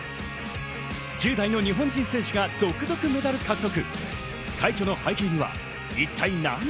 １０代の日本人選手が続々メダル獲得。